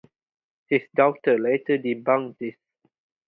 His daughter later debunked this.